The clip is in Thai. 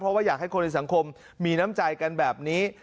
เพราะว่าอยากให้คนในสังคมมีน้ำใจกันแบบนี้